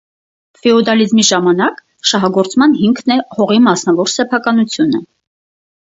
Ֆեոդալիզմի ժամանակ շահագործման հիմքն է հողի մասնավոր սեփականությունը։